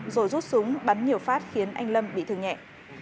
rồi rút súng bắn nhiều phát khiến anh lâm bị thương nhẹ